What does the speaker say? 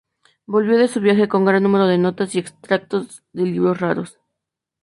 Volvió de su viaje con gran número de notas y extractos de libros raros.